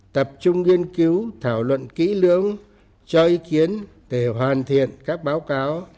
tập trung nghiên cứu thảo luận kỹ lưỡng cho ý kiến để hoàn thiện các báo cáo